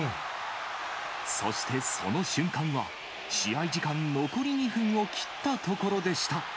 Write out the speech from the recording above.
そしてその瞬間は、試合時間残り２分を切ったところでした。